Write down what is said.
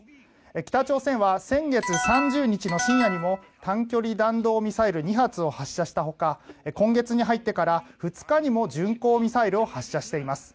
北朝鮮は先月３０日の深夜にも短距離弾道ミサイル２発を発射したほか今月に入ってから２日にも巡航ミサイルを発射しています。